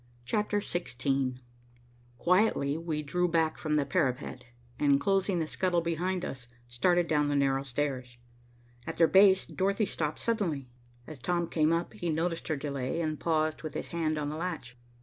CHAPTER XVI Quietly we drew back from the parapet and, closing the scuttle behind us, started down the narrow stairs. At their base, Dorothy stopped suddenly. As Tom came up, he noticed her delay and paused with his hand on the latch.